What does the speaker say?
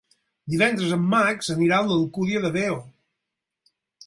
Divendres en Max anirà a l'Alcúdia de Veo.